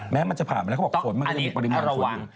แม้มันจะผ่านไปแล้วเขาบอกฝนมันก็ไม่มีปริมาณคุณอีกอันนี้ระวัง